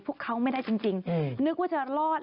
สวัสดีครับ